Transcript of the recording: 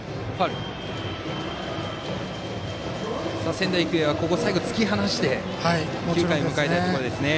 仙台育英は最後、突き放して９回を迎えたいですね。